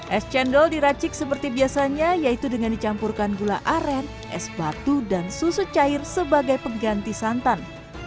es cendol diracik seperti biasanya yaitu dengan dicampurkan gula aren es batu dan susu cair sebagai pengganti santan